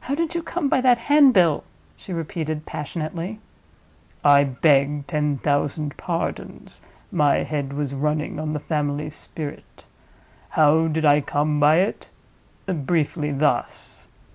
"How did you come by that handbill?" she repeated, passionately. "I beg ten thousand pardons! My head was running on the family spirit.—How did I come by it? Briefly thus."